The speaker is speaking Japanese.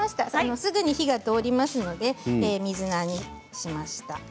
すぐに火が通りますので水菜にしました。